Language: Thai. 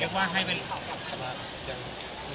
เรียกว่าให้เป็น